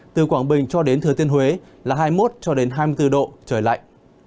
từ quảng bình cho đến thừa tiên huế là hai mươi một cho đến hai mươi bốn độ trời lạnh